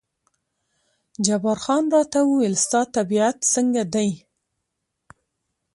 جبار خان راته وویل ستا طبیعت څنګه دی؟